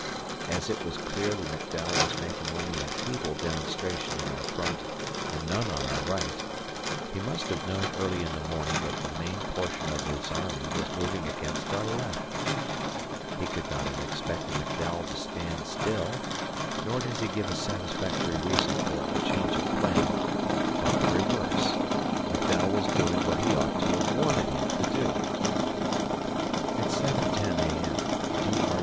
As it was clear that McDowell was making only a feeble demonstrationin our front and none on our right, he must have known early in the morning that the main portion of his army was moving against our left. He could not have expected McDowell to stand still; nor does he give a satisfactory reason for a change of plan, but the reverse. McDowell was doing what he ought to have wanted him to do. At 7.10 A.M., D. R.